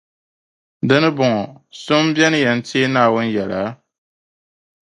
Di nibɔŋɔ, so beni n-yɛn teei Naawuni yɛla?